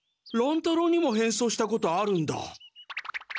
乱太郎にも変装したことあるんだ。